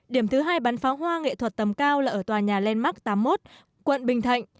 điểm thứ hai bắn pháo hoa nghệ thuật tầm cao là ở tòa nhà landmark tám mươi một quận bình thạnh